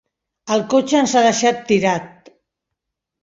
El cotxe ens ha deixat tirat.